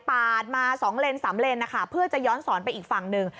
ปาดมา๒เลนสามเลนนะคะเพื่อจะย้อนสอนไปอีกฝั่งหนึ่ง